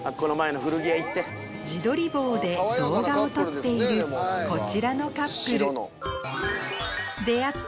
自撮り棒で動画を撮っているこちらのカップル